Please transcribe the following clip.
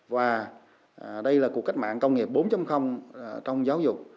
và đây là cuộc cách mạng công nghiệp bốn trong giáo dục